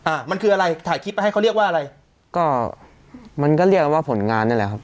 อ่ามันคืออะไรถ่ายคลิปไปให้เขาเรียกว่าอะไรก็มันก็เรียกว่าผลงานนี่แหละครับ